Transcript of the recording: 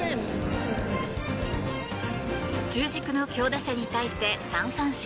中軸の強打者に対して３三振。